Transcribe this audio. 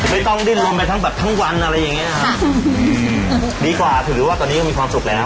มีความสุขด้วยทำงานไปพรับผ่อนให้ชีวิตไปด้วย